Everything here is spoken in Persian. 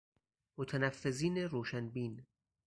متنفذین روشن بین